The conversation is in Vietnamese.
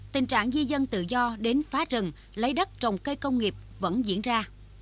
tình trạng di dân tự do đến phá rừng lấy đất trồng cây công nghiệp vẫn diễn ra